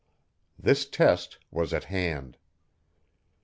This test was at hand.